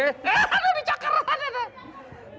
eh di cakar